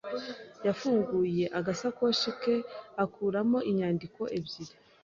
yafunguye agasakoshi ke akuramo inyandiko ebyiri.